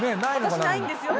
「私ないんですよ」